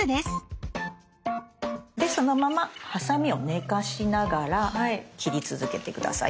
でそのままハサミを寝かしながら切り続けて下さい。。